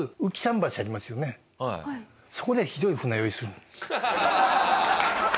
そこでひどい船酔いする。